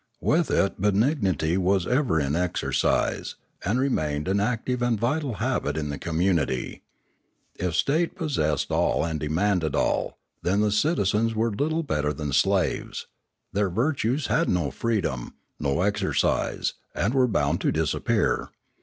With it be nignity was ever in exercise, and remained an active and vital habit in the community. If the state pos sessed all and demanded all, then the citizens were little better than slaves; their virtues had no freedom, no exercise, and were bound to disappear.